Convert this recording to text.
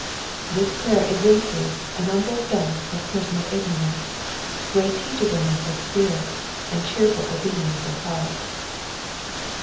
This prayer evinces an humble sense of personal ignorance, great teachableness of spirit, nnd cheerful obedience of heart.